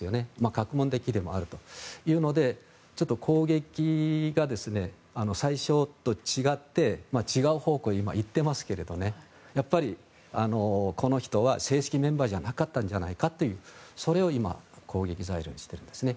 学問的でもあるというのでちょっと攻撃が最初と違って違う方向へ今行っていますがやっぱり、この人は正式メンバーじゃなかったんじゃないかというそれを今攻撃材料にしているんですね。